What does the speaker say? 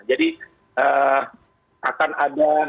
jadi akan ada